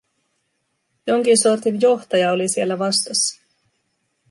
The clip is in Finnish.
Jonkin sortin johtaja oli siellä vastassa.